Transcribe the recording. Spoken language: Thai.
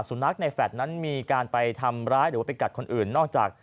สุนัขในแฟลตนั้นมีการไปทำร้ายหรือว่าไปกัดคนอื่นนอกจาก